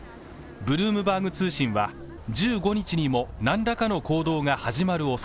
ブルームバーグ通信は１５日にも何らかの行動が始まる